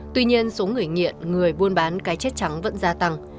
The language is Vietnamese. tuy nhiên số người nghiện người buôn bán cái chết trắng vẫn gia tăng